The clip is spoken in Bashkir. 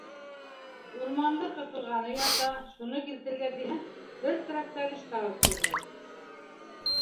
Урманда ҡырҡылғаны ята, шуны килтерергә тиһәм, бер тракторист табып булмай.